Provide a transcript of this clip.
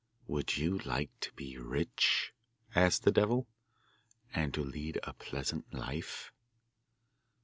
'Would you like to be rich,' asked the devil, 'and to lead a pleasant life?